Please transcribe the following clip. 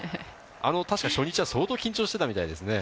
確か初日は相当緊張してたみたいですね。